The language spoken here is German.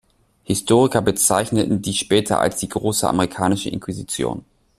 Historiker bezeichneten dies später als die "„große amerikanische Inquisition“".